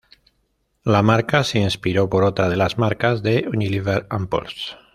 La marca se inspiró por otra de las marcas de Unilever, Impulse.